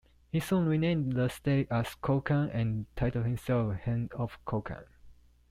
He soon renamed the state as Kokang and titled himself Heng of Kokang.